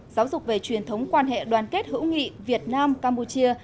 giáo dục về truyền thống quan hệ đoàn kết hữu nghị việt nam campuchia